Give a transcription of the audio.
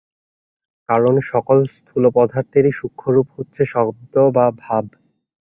কারণ, সকল স্থূল পদার্থেরই সূক্ষ্ম রূপ হচ্ছে শব্দ বা ভাব।